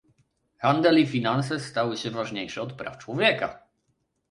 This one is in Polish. Handel i finanse stały się ważniejsze od praw człowieka